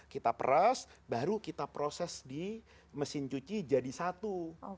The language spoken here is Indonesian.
kita peras baru kita proses di mesin cuci jadi satu